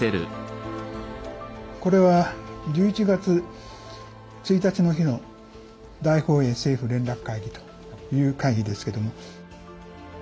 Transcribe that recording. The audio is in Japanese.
これは１１月１日の日の大本営政府連絡会議という会議ですけども。